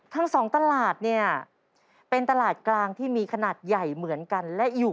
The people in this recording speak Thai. ทั้งสองตลาดที่มีขนาดใหญ่เหมือนกัน